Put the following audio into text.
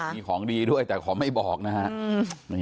มีของดีด้วยแต่ขอไม่บอกนะครับ